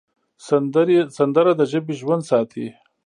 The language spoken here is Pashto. سندره د ژبې ژوند ساتي